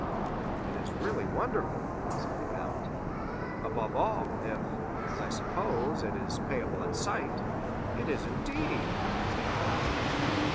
"It is really wonderful," said the count; "above all, if, as I suppose, it is payable at sight." "It is, indeed," said Danglars.